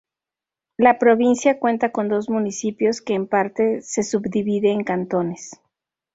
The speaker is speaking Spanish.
La provincia cuenta con dos municipios que en parte se subdivide en cantones.